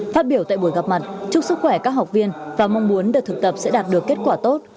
phát biểu tại buổi gặp mặt chúc sức khỏe các học viên và mong muốn đợt thực tập sẽ đạt được kết quả tốt